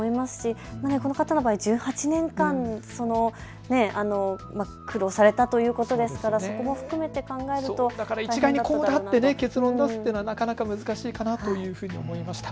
この方の場合、１８年間、苦労されたということですからそこも含めて考えると一概にこうだって結論を出すのは難しいかなというふうに思います。